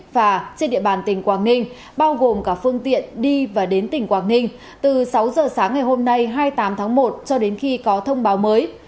và trên địa bàn tỉnh quảng ninh bao gồm cả phương tiện đi và đến tỉnh quảng ninh từ sáu giờ sáng ngày hôm nay hai mươi tám tháng một cho đến khi có thông báo mới